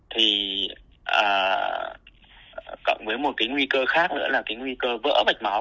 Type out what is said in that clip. thì cộng với một cái nguy cơ khác nữa là cái nguy cơ vỡ mạch máu